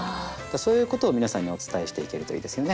そういうことを皆さんにお伝えしていけるといいですよね。